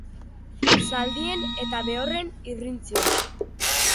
Zaldien eta behorren irrintziak.